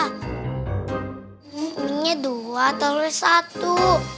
ini kuminya dua telurnya satu